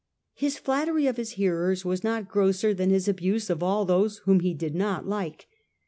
His flattery of his hearers was not grosser than his abuse of all those whom they did not like.